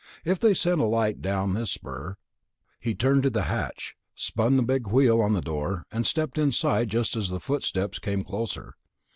If they sent a light down this spur ... he turned to the hatch, spun the big wheel on the door, and slipped inside just as the footsteps came closer.